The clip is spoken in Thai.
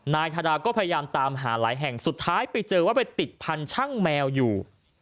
นายธาดาก็พยายามตามหาหลายแห่งสุดท้ายไปเจอว่าไปติดพันธุ์ช่างแมวอยู่